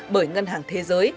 bởi ngân hàng thế giới